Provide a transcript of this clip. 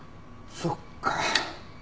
そっか。